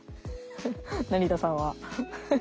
成田さんは。